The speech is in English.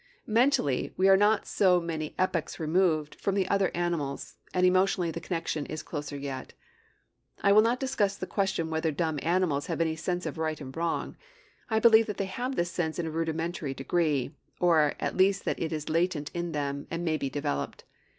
Mentally, we are not so many epochs removed from the other animals, and emotionally the connection is closer yet. I will not discuss the question whether dumb animals have any sense of right and wrong. I believe that they have this sense in a rudimentary degree; or at least that it is latent in them, and may be developed.